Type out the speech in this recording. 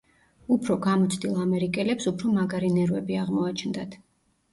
უფრო გამოცდილ ამერიკელებს უფრო მაგარი ნერვები აღმოაჩნდათ.